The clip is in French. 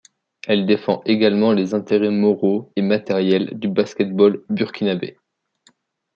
Elle défend également les intérêts moraux et matériels du basket-ball burkinabé.